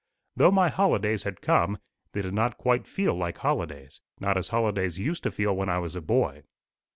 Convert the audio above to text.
Though my holidays had come, they did not feel quite like holidays not as holidays used to feel when I was a boy.